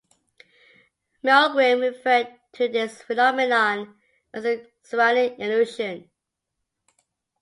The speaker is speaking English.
Milgram referred to this phenomenon as the "cyranic illusion".